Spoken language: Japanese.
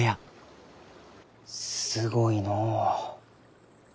すごいのう。